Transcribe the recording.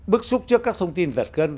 bức xúc trước các thông tin giật gân